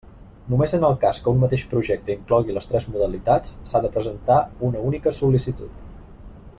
Només en el cas que un mateix projecte inclogui les tres modalitats s'ha de presentar una única sol·licitud.